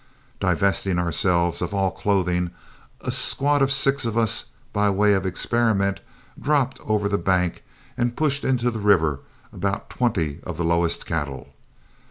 Divesting ourselves of all clothing, a squad of six of us, by way of experiment, dropped over the bank and pushed into the river about twenty of the lowest cattle.